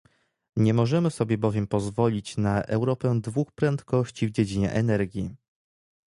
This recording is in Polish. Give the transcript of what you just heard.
Nie możemy sobie bowiem pozwolić na Europę dwóch prędkości w dziedzinie energii